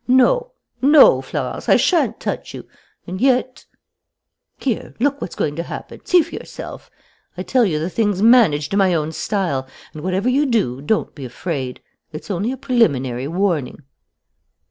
No, no, Florence, I shan't touch you, and yet "Here, look what's going to happen, see for yourself. I tell you the thing's managed in my own style.... And, whatever you do, don't be afraid. It's only a preliminary warning."